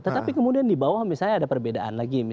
tetapi kemudian di bawah misalnya ada perbedaan lagi